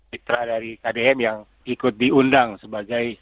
mitra dari kdm yang ikut diundang sebagai